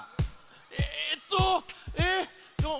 えっとえっと。